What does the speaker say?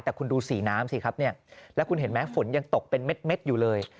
แต่คุณดูสีน้ำสิครับเนี่ยแล้วคุณเห็นไหมฝนยังตกเป็นเม็ดอยู่เลย